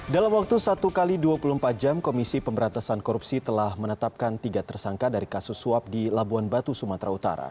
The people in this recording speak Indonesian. dalam waktu satu x dua puluh empat jam komisi pemberantasan korupsi telah menetapkan tiga tersangka dari kasus suap di labuan batu sumatera utara